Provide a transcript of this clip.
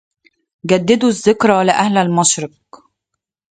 جددوا الذكرى لأهل المشرق